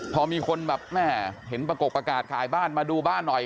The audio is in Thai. พอมีคนแบบแม่เห็นประกบประกาศขายบ้านมาดูบ้านหน่อย